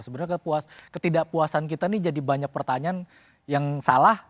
sebenarnya ketidakpuasan kita ini jadi banyak pertanyaan yang salah